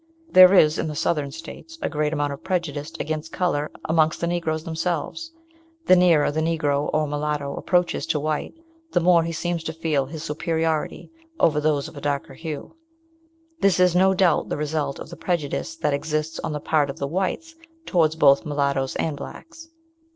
There is, in the Southern States, a great amount of prejudice against colour amongst the Negroes themselves. The nearer the Negro or mulatto approaches to the white, the more he seems to feel his superiority over those of a darker hue. This is, no doubt, the result of the prejudice that exists on the part of the whites towards both mulattoes and blacks.